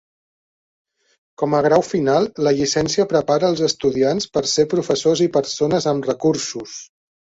Com a grau final, la llicència prepara els estudiants per ser professors i persones amb recursos.